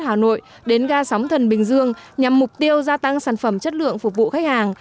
hà nội đến ga sóng thần bình dương nhằm mục tiêu gia tăng sản phẩm chất lượng phục vụ khách hàng